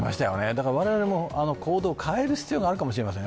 だから我々も行動を変える必要があるかもしれません。